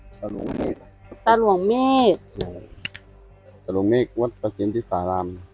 อ่าตะหลวงเมฆตะหลวงเมฆตะหลวงเมฆวัดประเทียมที่สาราม